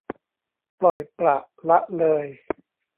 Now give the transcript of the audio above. ปล่อยปละละเลย